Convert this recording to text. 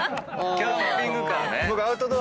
キャンピングカーね。